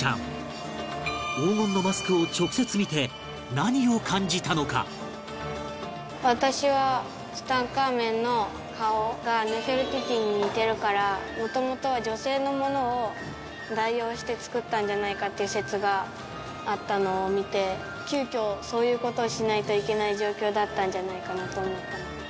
黄金のマスクを私はツタンカーメンの顔がネフェルティティに似てるからもともとは女性のものを代用して作ったんじゃないかっていう説があったのを見て急遽そういう事をしないといけない状況だったんじゃないかなと思った。